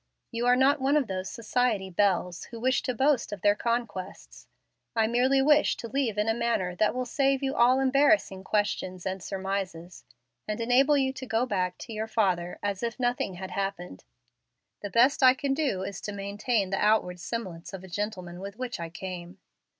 You are not one of those society belles who wish to boast of their conquests. I wish merely to leave in a manner that will save you all embarrassing questions and surmises, and enable you to go back to your father as if nothing had happened. The best I can do is to maintain the outward semblance of a gentleman with which I came.